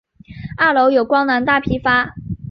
二楼有光南大批发。